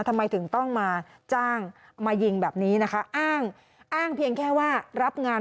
ทำไมถึงต้องมาจ้างมายิงแบบนี้นะคะอ้างอ้างเพียงแค่ว่ารับงาน